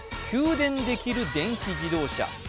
給電できる電気自動車。